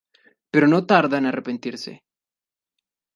Pero no tarda en arrepentirse.